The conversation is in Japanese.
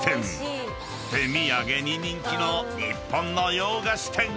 ［手土産に人気の日本の洋菓子店］